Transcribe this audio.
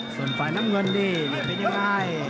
ส่วนฝ่ายน้ำเงินนี่เป็นยังไง